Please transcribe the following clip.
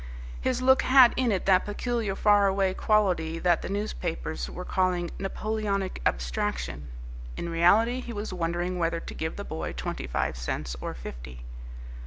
His look had in it that peculiar far away quality that the newspapers were calling "Napoleonic abstraction." In reality he was wondering whether to give the boy twenty five cents or fifty.